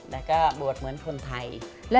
แต่ก็บวชเหมือนคนไทย